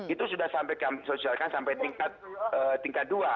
itu sudah kami sosialisasi sampai tingkat dua